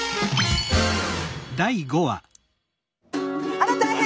あら大変！